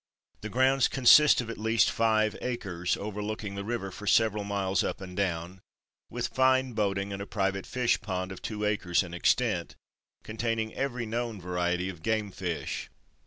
The grounds consist of at least five acres, overlooking the river for several miles up and down, with fine boating and a private fish pond of two acres in extent, containing every known variety of game fish.